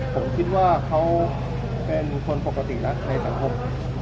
ผมคิดว่าเขาเป็นคนปกติแล้วในสังคม